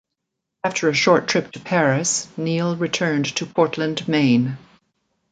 After a short trip to Paris, Neal returned to Portland, Maine.